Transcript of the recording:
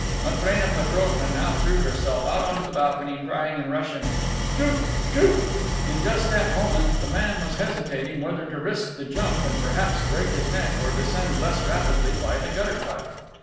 Matrena Petrovna now threw herself out onto the balcony, crying in Russian, "Shoot! Shoot!" In just that moment the man was hesitating whether to risk the jump and perhaps break his neck, or descend less rapidly by the gutter pipe.